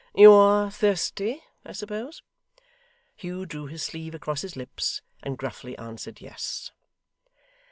You are thirsty, I suppose?' Hugh drew his sleeve across his lips, and gruffly answered yes.